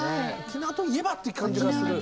沖縄といえばっていう感じがする。